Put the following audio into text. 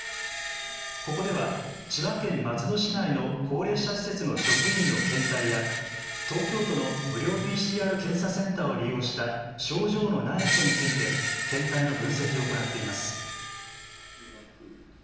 ここでは千葉県松戸市内の高齢者施設の職員の検体や東京都の無料ＰＣＲ検査センターを利用した症状のない人について検体の分析を行っています。